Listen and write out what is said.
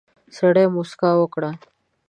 سړي موسکا وکړه.